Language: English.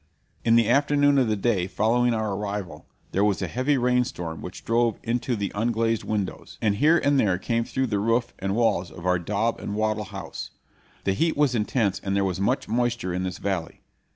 In the afternoon of the day following our arrival there was a heavy rain storm which drove into the unglazed windows, and here and there came through the roof and walls of our daub and wattle house. The heat was intense and there was much moisture in this valley.